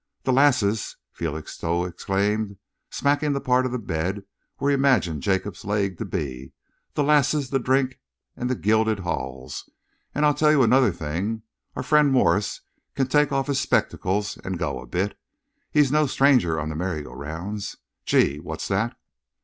"The lasses!" Felixstowe exclaimed, smacking the part of the bed where he imagined Jacob's leg to be, "the lasses, the drink and the gilded halls! And I'll tell you another thing. Our friend Morse can take off his spectacles and go a bit. He's no stranger on the merry go rounds.... Gee! What's that?"